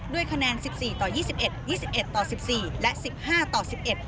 คะแนน๑๔ต่อ๒๑๒๑ต่อ๑๔และ๑๕ต่อ๑๑